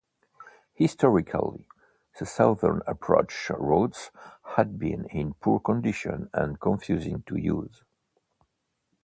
Historically, the southern approach roads had been in poor condition and confusing to use.